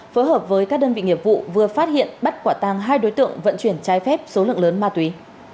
phối hợp với các đơn vị nghiệp vụ vừa phát hiện bắt quả tàng hai đối tượng vận chuyển trái phép số lượng lớn ma túy